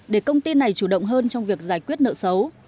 để công ty này chủ động hơn trong việc giải quyết nợ xấu